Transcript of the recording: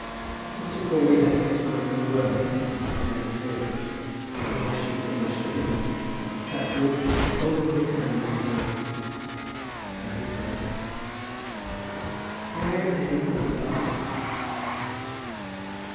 Mr. Crawley had not spoken a word since he had entered the vehicle. Nor had she said much to him, but had sat with him holding his hand in hers. Now he spoke to her, "Where is it that we are?" he asked.